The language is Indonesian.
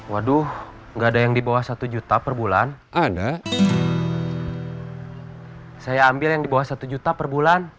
waduh gak ada yang di bawah satu juta per bulan